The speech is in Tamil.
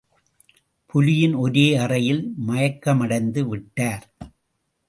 புலியின் ஒரே அறையில் மயக்கமடைந்து விட்டார்.